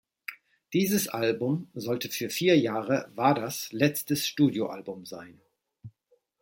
Dieses Album sollte für vier Jahre Waders letztes Studioalbum sein.